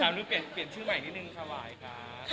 ตามนึกเปลี่ยนชื่อใหม่นิดนึงค่ะวายคะ